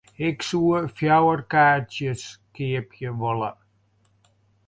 Ik soe fjouwer kaartsjes keapje wolle.